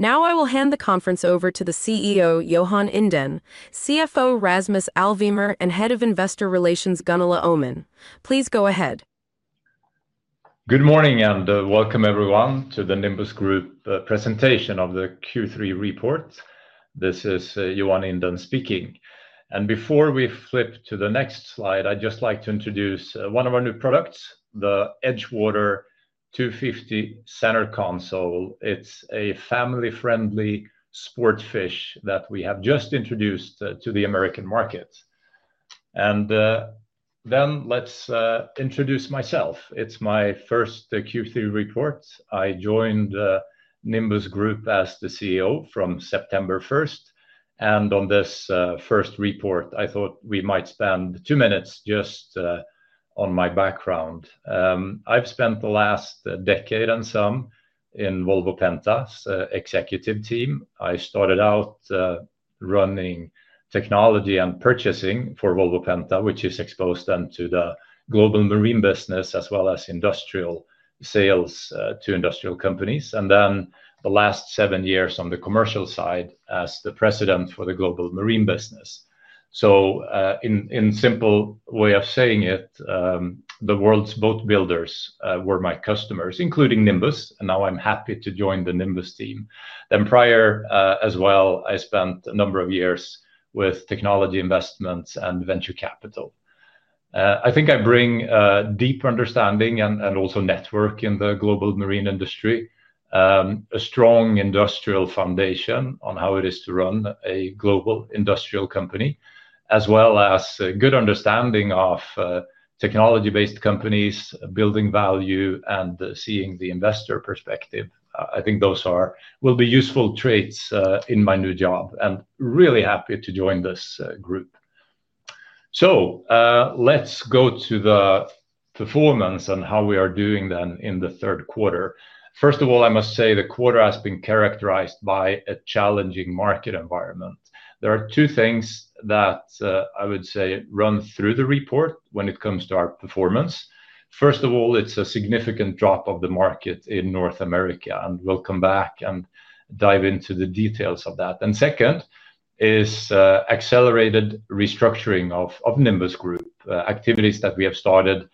Now I will hand the conference over to the CEO, Johan Inden, CFO, Rasmus Alvemyr, and Head of Investor Relations, Gunilla Öhman. Please go ahead. Good morning and welcome, everyone, to the Nimbus Group presentation of the Q3 report. This is Johan Inden speaking. Before we flip to the next slide, I'd just like to introduce one of our new products, the EdgeWater 250 Center Console. It's a family-friendly sportfish that we have just introduced to the American market. Let's introduce myself. It's my first Q3 report. I joined Nimbus Group as the CEO from September 1. On this first report, I thought we might spend two minutes just on my background. I've spent the last decade and some in Volvo Penta's executive team. I started out running technology and purchasing for Volvo Penta, which is exposed then to the global marine business as well as industrial sales to industrial companies. The last seven years on the commercial side as the President for the global marine business. In a simple way of saying it, the world's boat builders were my customers, including Nimbus, and now I'm happy to join the Nimbus team. Prior as well, I spent a number of years with technology investments and venture capital. I think I bring a deep understanding and also network in the global marine industry, a strong industrial foundation on how it is to run a global industrial company, as well as a good understanding of technology-based companies, building value, and seeing the investor perspective. I think those will be useful traits in my new job and really happy to join this group. Let's go to the performance and how we are doing then in the third quarter. First of all, I must say the quarter has been characterized by a challenging market environment. There are two things that I would say run through the report when it comes to our performance. First of all, it's a significant drop of the market in North America, and we'll come back and dive into the details of that. Second is accelerated restructuring of Nimbus Group, activities that we have started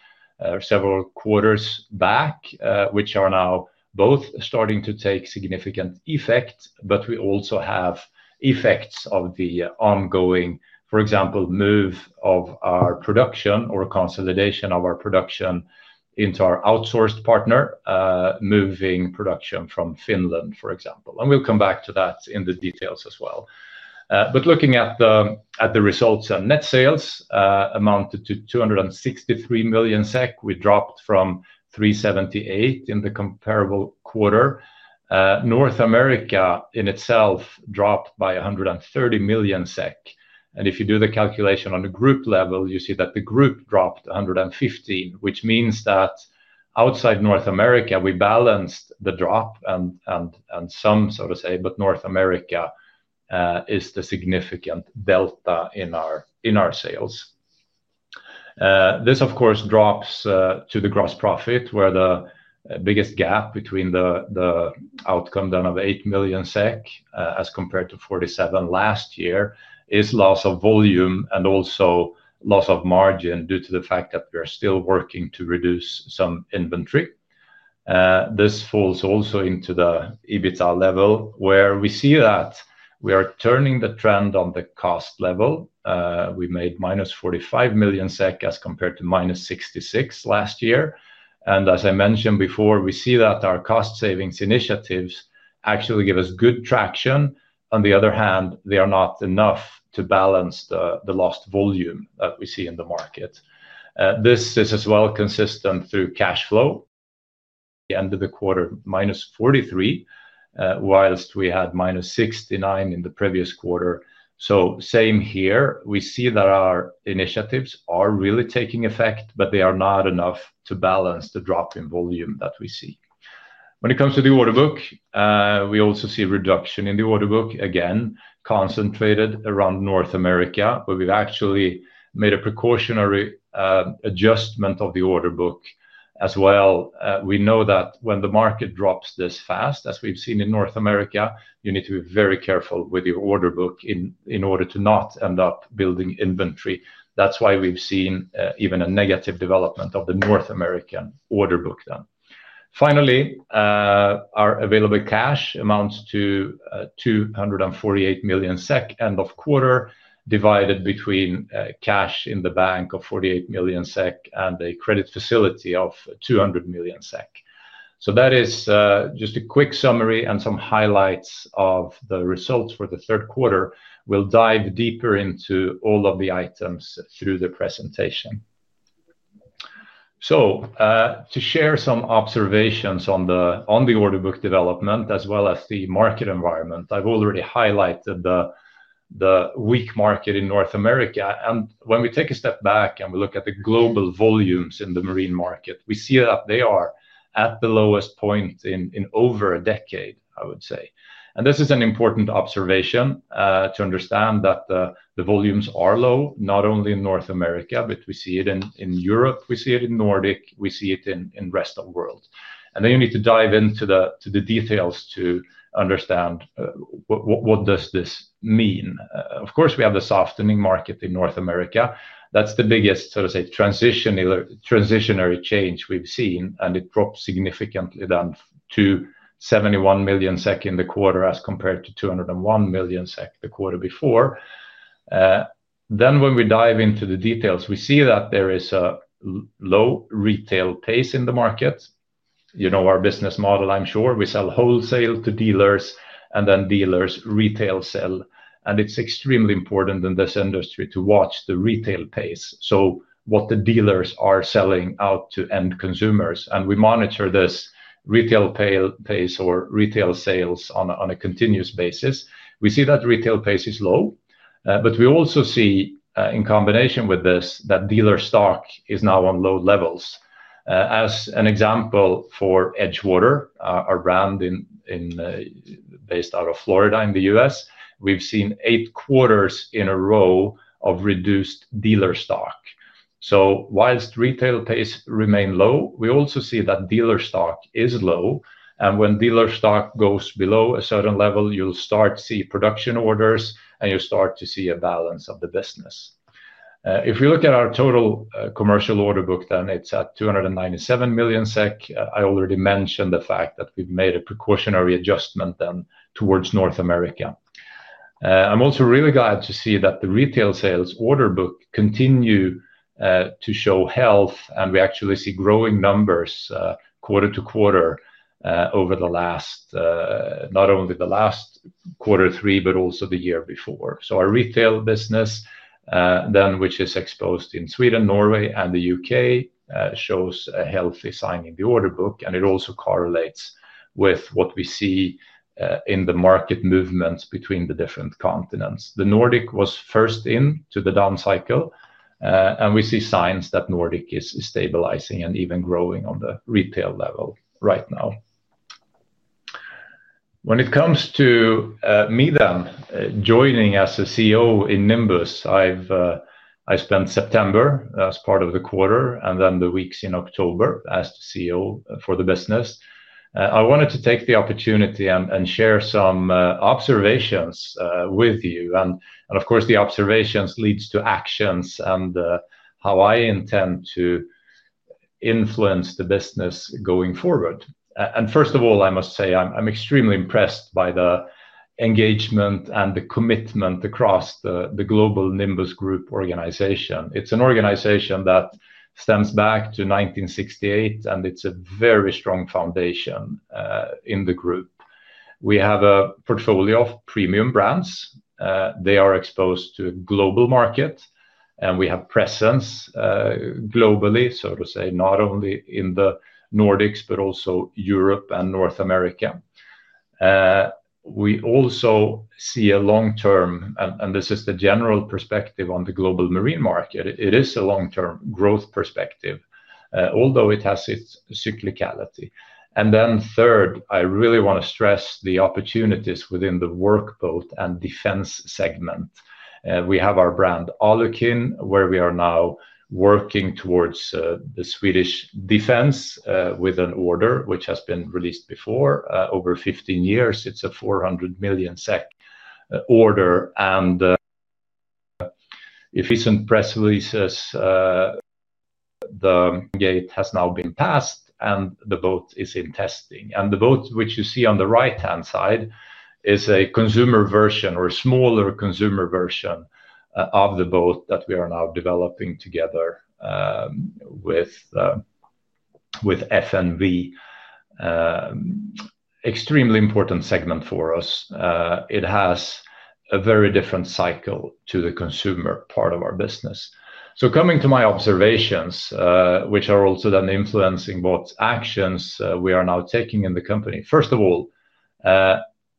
several quarters back, which are now both starting to take significant effect. We also have effects of the ongoing, for example, move of our production or consolidation of our production into our outsourced partner, moving production from Finland, for example. We'll come back to that in the details as well. Looking at the results, net sales amounted to 263 million SEK. We dropped from 378 million in the comparable quarter. North America in itself dropped by 130 million SEK. If you do the calculation on the group level, you see that the group dropped 115, which means that outside North America, we balanced the drop in sum, so to say, but North America is the significant delta in our sales. This, of course, drops to the gross profit, where the biggest gap between the outcome then of 8 million SEK as compared to 47 million last year is loss of volume and also loss of margin due to the fact that we are still working to reduce some inventory. This falls also into the EBITDA level, where we see that we are turning the trend on the cost level. We made -45 million SEK as compared to -66 million last year. As I mentioned before, we see that our cost savings initiatives actually give us good traction. On the other hand, they are not enough to balance the lost volume that we see in the market. This is as well consistent through cash flow. The end of the quarter, minus 43 million, whilst we had minus 69 million in the previous quarter. Same here, we see that our initiatives are really taking effect, but they are not enough to balance the drop in volume that we see. When it comes to the order book, we also see a reduction in the order book, again concentrated around North America, where we've actually made a precautionary adjustment of the order book as well. We know that when the market drops this fast, as we've seen in North America, you need to be very careful with your order book in order to not end up building inventory. That's why we've seen even a negative development of the North American order book then. Finally, our available cash amounts to 248 million SEK end of quarter, divided between cash in the bank of 48 million SEK and a credit facility of 200 million SEK. That is just a quick summary and some highlights of the results for the third quarter. We'll dive deeper into all of the items through the presentation. To share some observations on the order book development as well as the market environment, I've already highlighted the weak market in North America. When we take a step back and we look at the global volumes in the marine market, we see that they are at the lowest point in over a decade, I would say. This is an important observation to understand that the volumes are low, not only in North America, but we see it in Europe, we see it in Nordic, we see it in the rest of the world. You need to dive into the details to understand what does this mean. Of course, we have the softening market in North America. That's the biggest, so to say, transitionary change we've seen, and it dropped significantly down to 71 million SEK in the quarter as compared to 201 million SEK the quarter before. When we dive into the details, we see that there is a low retail pace in the market. You know our business model, I'm sure. We sell wholesale to dealers, and then dealers retail sell. It's extremely important in this industry to watch the retail pace, what the dealers are selling out to end consumers. We monitor this retail pace or retail sales on a continuous basis. We see that retail pace is low. We also see, in combination with this, that dealer stock is now on low levels. As an example for EdgeWater, our brand based out of Florida in the U.S., we've seen eight quarters in a row of reduced dealer stock. Whilst retail pace remains low, we also see that dealer stock is low. When dealer stock goes below a certain level, you'll start to see production orders, and you'll start to see a balance of the business. If you look at our total commercial order book, then it's at 297 million SEK. I already mentioned the fact that we've made a precautionary adjustment towards North America. I'm also really glad to see that the retail sales order book continues to show health, and we actually see growing numbers quarter to quarter over the last, not only the last quarter three, but also the year before. Our retail business then, which is exposed in Sweden, Norway, and the U.K., shows a healthy sign in the order book, and it also correlates with what we see in the market movements between the different continents. The Nordic was first in to the down cycle, and we see signs that Nordic is stabilizing and even growing on the retail level right now. When it comes to me joining as CEO in Nimbus, I spent September as part of the quarter and then the weeks in October as the CEO for the business. I wanted to take the opportunity and share some observations with you. Of course, the observations lead to actions and how I intend to influence the business going forward. First of all, I must say I'm extremely impressed by the engagement and the commitment across the global Nimbus Group organization. It's an organization that stems back to 1968, and it's a very strong foundation in the group. We have a portfolio of premium brands. They are exposed to a global market, and we have presence globally, not only in the Nordics, but also Europe and North America. We also see a long-term, and this is the general perspective on the global marine market. It is a long-term growth perspective, although it has its cyclicality. Third, I really want to stress the opportunities within the workboat and defense segment. We have our brand Alukin, where we are now working towards the Swedish defense with an order which has been released before over 15 years. It's a 400 million SEK order. If recent press releases, the gate has now been passed, and the boat is in testing. The boat which you see on the right-hand side is a consumer version or a smaller consumer version of the boat that we are now developing together with FMV. Extremely important segment for us. It has a very different cycle to the consumer part of our business. Coming to my observations, which are also then influencing what actions we are now taking in the company. First of all,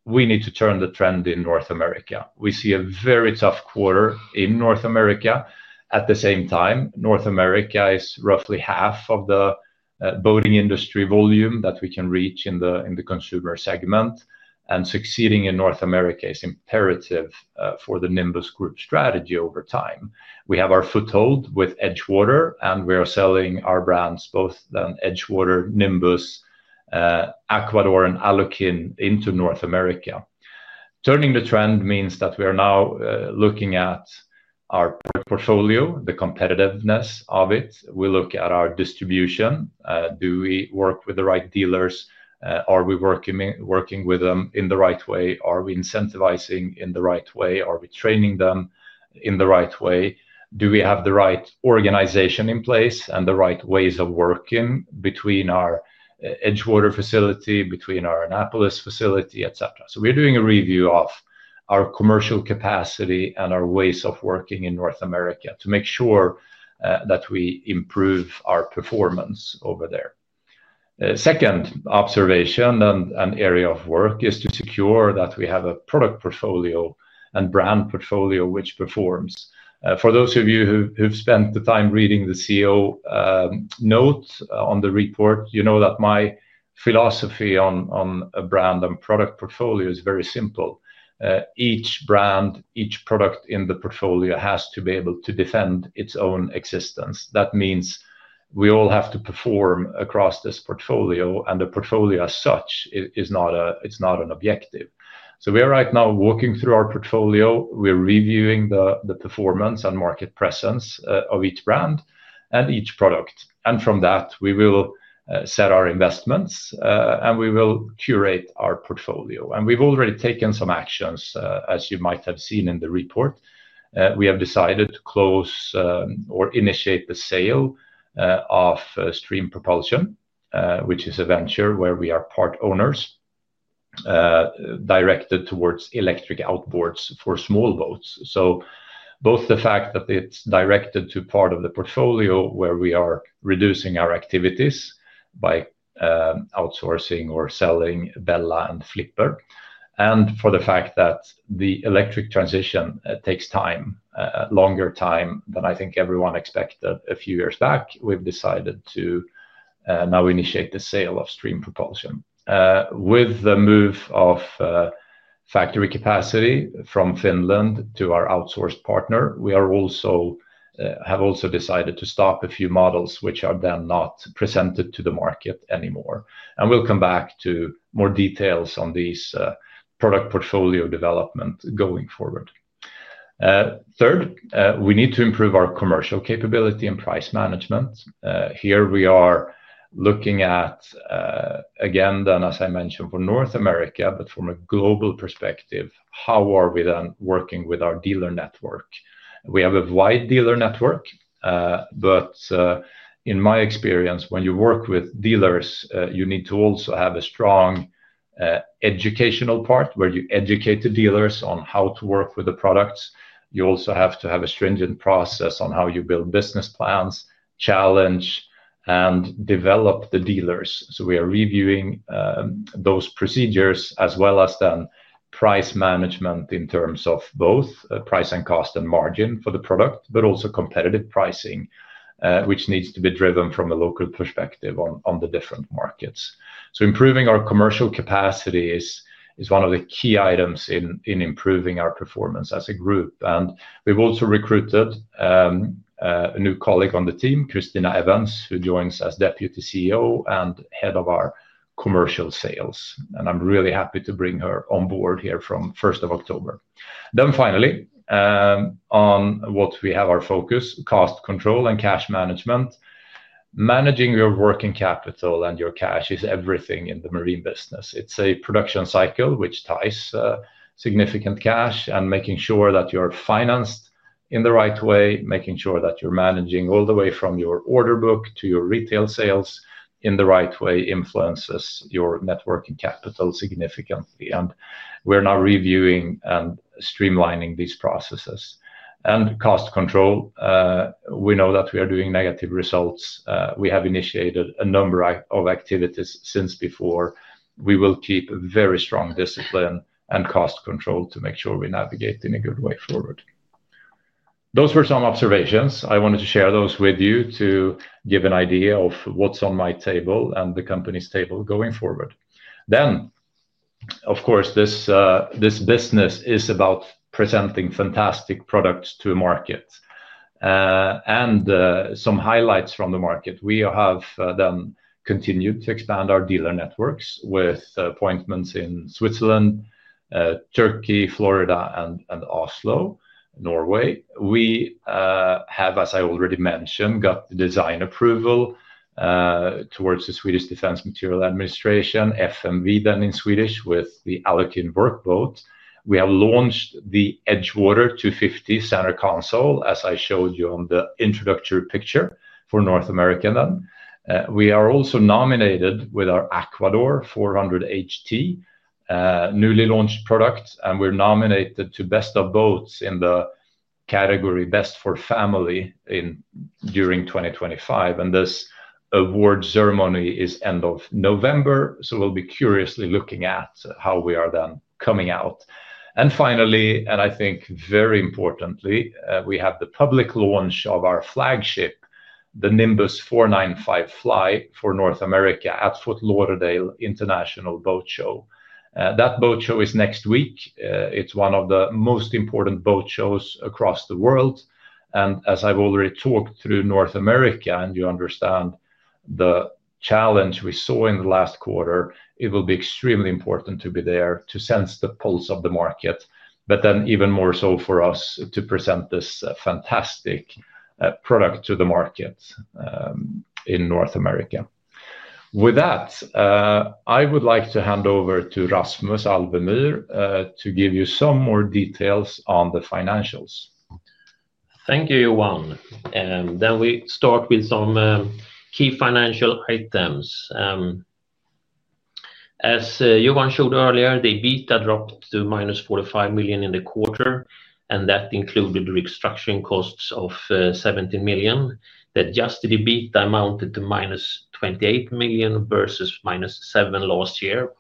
we need to turn the trend in North America. We see a very tough quarter in North America. At the same time, North America is roughly half of the boating industry volume that we can reach in the consumer segment. Succeeding in North America is imperative for the Nimbus Group strategy over time. We have our foothold with EdgeWater, and we are selling our brands both in EdgeWater, Nimbus, Aquador, and Alukin into North America. Turning the trend means that we are now looking at our portfolio, the competitiveness of it. We look at our distribution. Do we work with the right dealers? Are we working with them in the right way? Are we incentivizing in the right way? Are we training them in the right way? Do we have the right organization in place and the right ways of working between our EdgeWater facility, between our Annapolis facility, etc.? We're doing a review of our commercial capacity and our ways of working in North America to make sure that we improve our performance over there. Second observation and area of work is to secure that we have a product portfolio and brand portfolio which performs. For those of you who've spent the time reading the CEO note on the report, you know that my philosophy on a brand and product portfolio is very simple. Each brand, each product in the portfolio has to be able to defend its own existence. That means we all have to perform across this portfolio, and the portfolio as such is not an objective. We are right now walking through our portfolio. We're reviewing the performance and market presence of each brand and each product. From that, we will set our investments, and we will curate our portfolio. We've already taken some actions, as you might have seen in the report. We have decided to close or initiate the sale of Stream Propulsion, which is a venture where we are part owners, directed towards electric outboards for small boats. Both the fact that it's directed to part of the portfolio where we are reducing our activities by outsourcing or selling Bella and Flipper, and for the fact that the electric transition takes time, longer time than I think everyone expected a few years back, we've decided to now initiate the sale of Stream Propulsion. With the move of factory capacity from Finland to our outsourced partner, we have also decided to stop a few models which are then not presented to the market anymore. We will come back to more details on these product portfolio developments going forward. Third, we need to improve our commercial capability and price management. Here we are looking at, again, as I mentioned, for North America, but from a global perspective, how are we then working with our dealer network? We have a wide dealer network. In my experience, when you work with dealers, you need to also have a strong educational part where you educate the dealers on how to work with the products. You also have to have a stringent process on how you build business plans, challenge, and develop the dealers. We are reviewing those procedures as well as price management in terms of both price and cost and margin for the product, but also competitive pricing, which needs to be driven from a local perspective on the different markets. Improving our commercial capacity is one of the key items in improving our performance as a group. We've also recruited a new colleague on the team, Christina Evans, who joins as Deputy CEO and Head of our Commercial Sales. I'm really happy to bring her on board here from October 1. Finally, on what we have our focus, cost control and cash management. Managing your working capital and your cash is everything in the marine business. It's a production cycle which ties significant cash, and making sure that you're financed in the right way, making sure that you're managing all the way from your order book to your retail sales in the right way influences your net working capital significantly. We're now reviewing and streamlining these processes. Cost control, we know that we are doing negative results. We have initiated a number of activities since before. We will keep a very strong discipline and cost control to make sure we navigate in a good way forward. Those were some observations. I wanted to share those with you to give an idea of what's on my table and the company's table going forward. Of course, this business is about presenting fantastic products to the market and some highlights from the market. We have then continued to expand our dealer networks with appointments in Switzerland, Turkey, Florida, and Oslo, Norway. We have, as I already mentioned, got the design approval towards the Swedish Defence Materiel Administration, FMV then in Swedish with the Alukin workboat. We have launched the EdgeWater 250 Center Console, as I showed you on the introductory picture for North America. We are also nominated with our Aquador 400 HT newly launched product, and we're nominated to Best of Boats in the category Best for Family during 2025. This award ceremony is end of November. We'll be curiously looking at how we are then coming out. Finally, and I think very importantly, we have the public launch of our flagship, the Nimbus 495 Fly for North America at Fort Lauderdale International Boat Show. That boat show is next week. It's one of the most important boat shows across the world. As I've already talked through North America and you understand the challenge we saw in the last quarter, it will be extremely important to be there to sense the pulse of the market, but then even more so for us to present this fantastic product to the market in North America. With that, I would like to hand over to Rasmus Alvemyr to give you some more details on the financials. Thank you, Johan. We start with some key financial items. As Johan showed earlier, the EBITDA dropped to -45 million in the quarter, and that included the restructuring costs of 17 million. The adjusted EBITDA amounted to -28 million versus -7 million last year.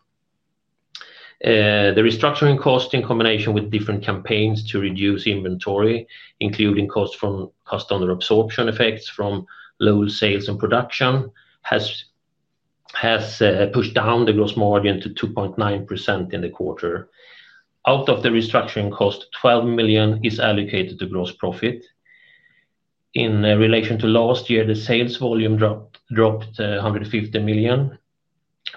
The restructuring cost, in combination with different campaigns to reduce inventory, including costs from cost under absorption effects from low sales and production, has pushed down the gross margin to 2.9% in the quarter. Out of the restructuring cost, 12 million is allocated to gross profit. In relation to last year, the sales volume dropped 150 million,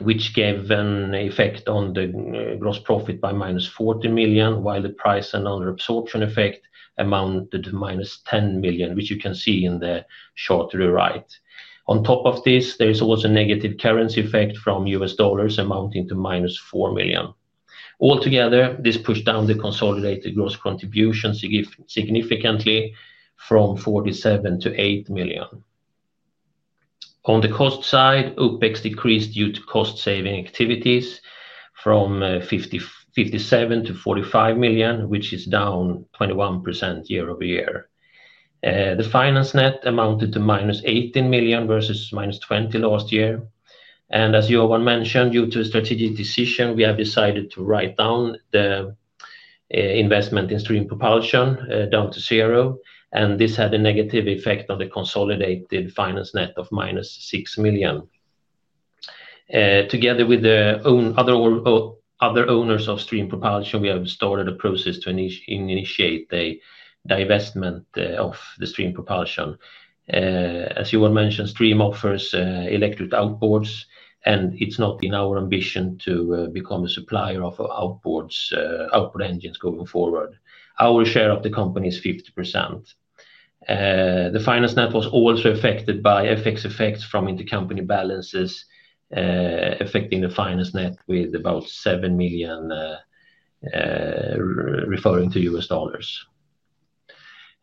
which gave an effect on the gross profit by -40 million, while the price and under absorption effect amounted to -10 million, which you can see in the chart to the right. On top of this, there is also a negative currency effect from U.S. dollars amounting to -4 million. Altogether, this pushed down the consolidated gross contributions significantly from 47 million to 8 million. On the cost side, OpEx decreased due to cost saving activities from 57 million to 45 million, which is down 21% year over year. The finance net amounted to minus 18 million versus minus 20 million last year. As Johan mentioned, due to a strategic decision, we have decided to write down the investment in Stream Propulsion down to zero. This had a negative effect on the consolidated finance net of minus 6 million. Together with the other owners of Stream Propulsion, we have started a process to initiate the divestment of Stream Propulsion. As Johan mentioned, Stream offers electric outboards, and it's not in our ambition to become a supplier of outboard engines going forward. Our share of the company is 50%. The finance net was also affected by FX effects from intercompany balances, affecting the finance net with about 7 million referring to U.S. dollars.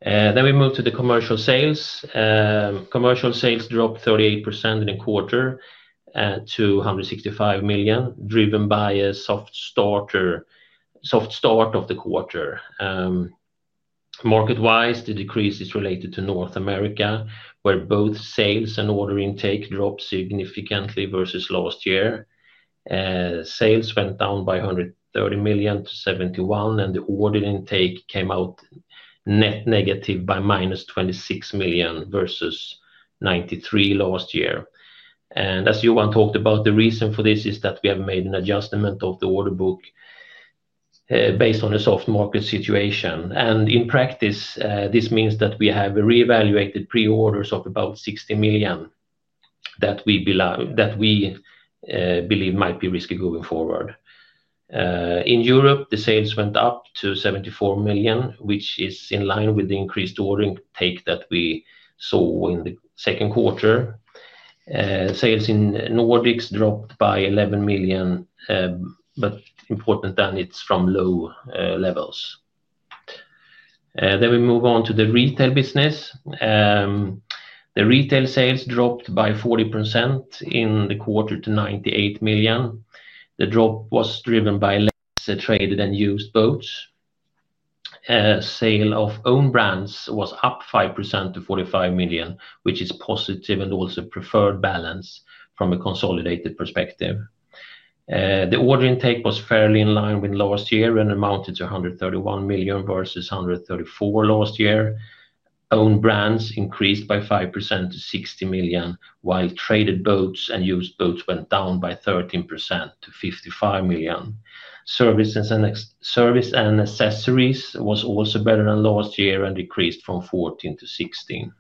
We moved to the commercial sales. Commercial sales dropped 38% in a quarter to 165 million, driven by a soft start of the quarter. Market-wise, the decrease is related to North America, where both sales and order intake dropped significantly versus last year. Sales went down by 130 million to 71 million, and the order intake came out net negative by minus 26 million versus 93 million last year. As Johan talked about, the reason for this is that we have made an adjustment of the order book based on the soft market situation. In practice, this means that we have reevaluated pre-orders of about 60 million that we believe might be risky going forward. In Europe, the sales went up to 74 million, which is in line with the increased order intake that we saw in the second quarter. Sales in Nordics dropped by 11 million, but it's important that it's from low levels. We move on to the retail business. The retail sales dropped by 40% in the quarter to 98 million. The drop was driven by less traded and used boats. Sale of own brands was up 5% to 45 million, which is positive and also a preferred balance from a consolidated perspective. The order intake was fairly in line with last year and amounted to 131 million versus 134 million last year. Own brands increased by 5% to 60 million, while traded boats and used boats went down by 13% to 55 million. Services and accessories were also better than last year and decreased from 14 million to 16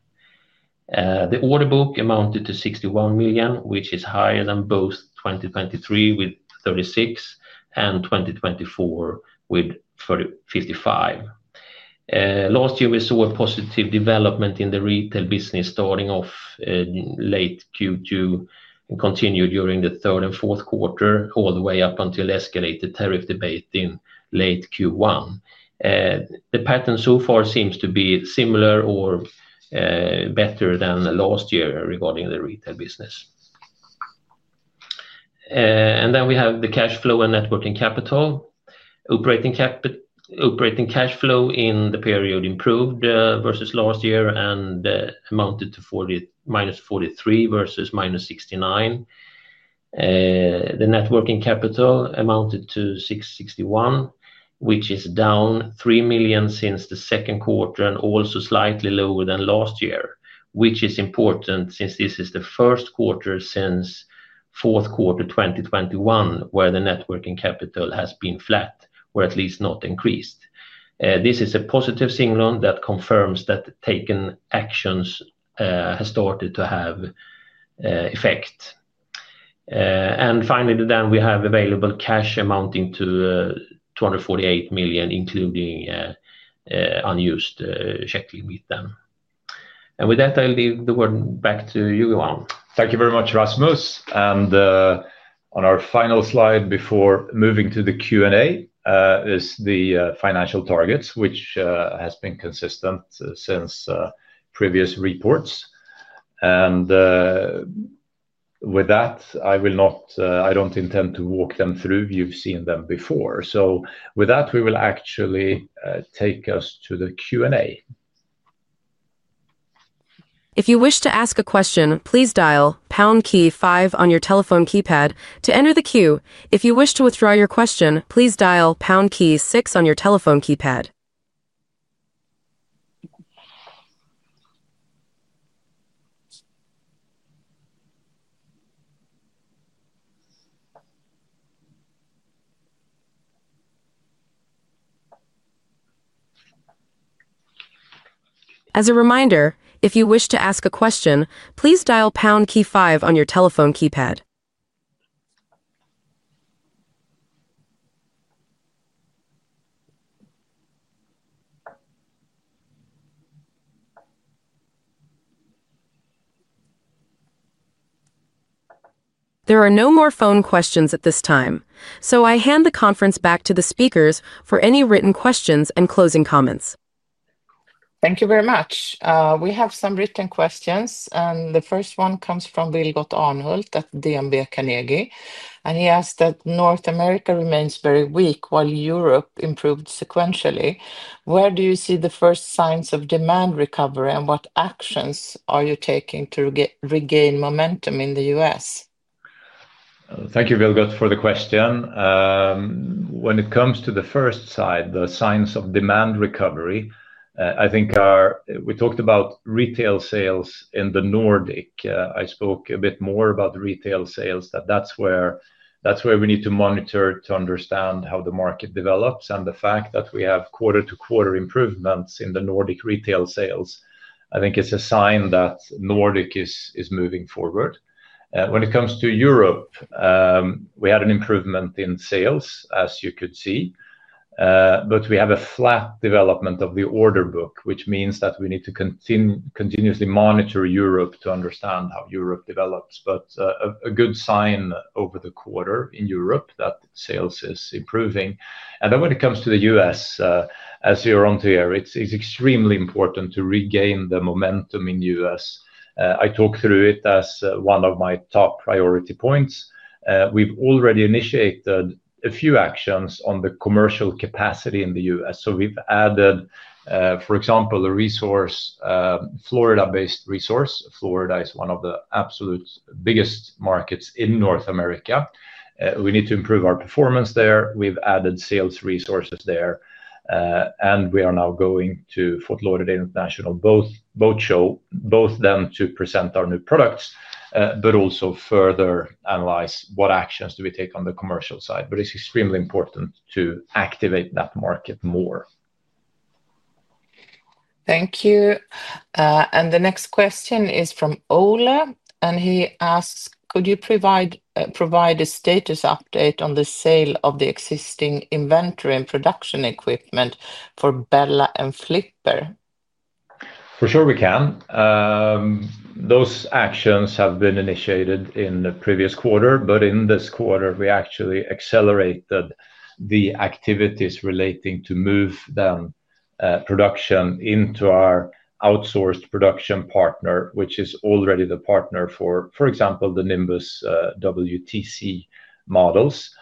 million. The order book amounted to 61 million, which is higher than both 2023 with 36 million and 2024 with 55 million. Last year, we saw a positive development in the retail business starting off late Q2 and continued during the third and fourth quarter, all the way up until the escalated tariff debate in late Q1. The pattern so far seems to be similar or better than last year regarding the retail business. We have the cash flow and net working capital. Operating cash flow in the period improved versus last year and amounted to minus 43 million versus minus 69 million. The net working capital amounted to 661 million, which is down 3 million since the second quarter and also slightly lower than last year, which is important since this is the first quarter since the fourth quarter 2021 where the net working capital has been flat or at least not increased. This is a positive signal that confirms that taken actions have started to have effect. Finally, we have available cash amounting to 248 million, including unused checking with them. With that, I'll leave the word back to you, Johan. Thank you very much, Rasmus. On our final slide before moving to the Q&A is the financial targets, which have been consistent since previous reports. With that, I don't intend to walk them through. You've seen them before. With that, we will actually take us to the Q&A. If you wish to ask a question, please dial pound key five on your telephone keypad to enter the queue. If you wish to withdraw your question, please dial pound key six on your telephone keypad. As a reminder, if you wish to ask a question, please dial pound key five on your telephone keypad. There are no more phone questions at this time. I hand the conference back to the speakers for any written questions and closing comments. Thank you very much. We have some written questions. The first one comes from Vilgot Arnold at DMV Carnegie. He asked that North America remains very weak while Europe improved sequentially. Where do you see the first signs of demand recovery, and what actions are you taking to regain momentum in the U.S.? Thank you, Vilgot, for the question. When it comes to the first side, the signs of demand recovery, I think we talked about retail sales in the Nordic. I spoke a bit more about retail sales, that that's where we need to monitor to understand how the market develops. The fact that we have quarter-to-quarter improvements in the Nordic retail sales, I think is a sign that Nordic is moving forward. When it comes to Europe, we had an improvement in sales, as you could see. We have a flat development of the order book, which means that we need to continuously monitor Europe to understand how Europe develops. A good sign over the quarter in Europe is that sales is improving. When it comes to the U.S., as you're on to here, it's extremely important to regain the momentum in the U.S. I talk through it as one of my top priority points. We've already initiated a few actions on the commercial capacity in the U.S. We've added, for example, a resource, Florida-based resource. Florida is one of the absolute biggest markets in North America. We need to improve our performance there. We've added sales resources there. We are now going to Fort Lauderdale International Boat Show, both to present our new products, but also further analyze what actions do we take on the commercial side. It's extremely important to activate that market more. Thank you. The next question is from Ola. He asks, could you provide a status update on the sale of the existing inventory and production equipment for Bella and Flipper? For sure, we can. Those actions have been initiated in the previous quarter, but in this quarter, we actually accelerated the activities relating to move production into our outsourced production partner, which is already the partner for, for example, the Nimbus WTC models.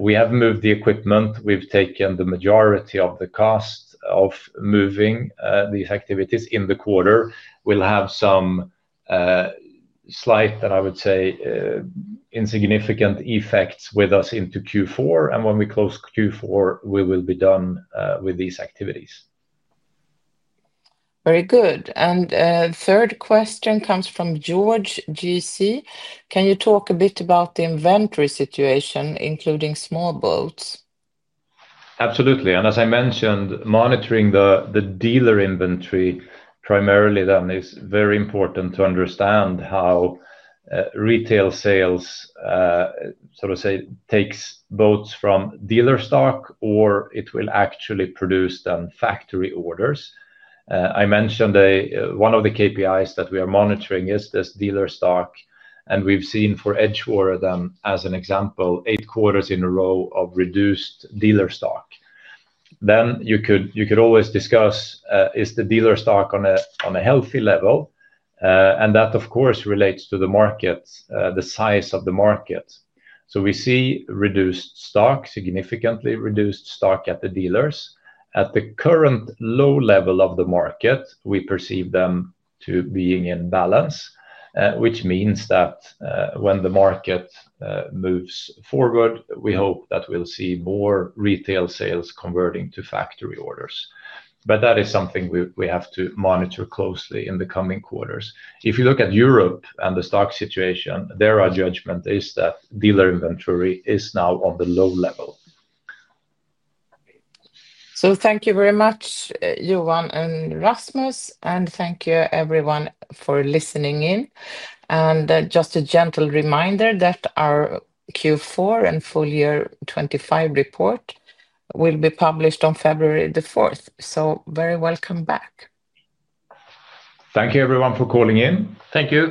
We have moved the equipment. We've taken the majority of the cost of moving these activities in the quarter. We'll have some slight, and I would say insignificant, effects with us into Q4. When we close Q4, we will be done with these activities. Very good. The third question comes from George GC. Can you talk a bit about the inventory situation, including small boats? Absolutely. As I mentioned, monitoring the dealer inventory primarily is very important to understand how retail sales, so to say, take boats from dealer stock or actually produce factory orders. I mentioned one of the KPIs that we are monitoring is this dealer stock. We've seen for EdgeWater, as an example, eight quarters in a row of reduced dealer stock. You could always discuss, is the dealer stock on a healthy level? That, of course, relates to the market, the size of the market. We see reduced stock, significantly reduced stock at the dealers. At the current low level of the market, we perceive them to be in balance, which means that when the market moves forward, we hope that we'll see more retail sales converting to factory orders. That is something we have to monitor closely in the coming quarters. If you look at Europe and the stock situation, their judgment is that dealer inventory is now on the low level. Thank you very much, Johan and Rasmus. Thank you, everyone, for listening in. Just a gentle reminder that our Q4 and full year 2025 report will be published on February 4. Very welcome back. Thank you, everyone, for calling in. Thank you.